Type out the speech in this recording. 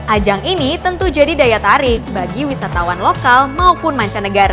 ajang ini tentu jadi daya tarik bagi wisatawan lokal maupun mancanegara